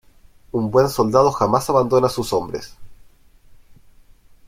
Un buen soldado jamás abandona a sus hombres.